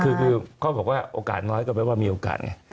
คือเขาบอกว่าโอกาสน้อยก็แปลว่ามีโอกาสไง